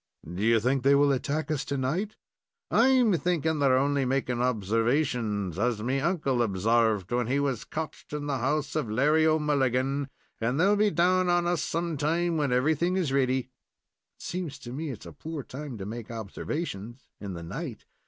"Do you think they will attack us to night?" "I'm thinkin' they're only making observations, as me uncle obsarved, when he was cotched in the house of Larry O'Mulligan, and they'll be down on us some time, when everything is ready." "It seems to me it is a poor time to make observations in the night."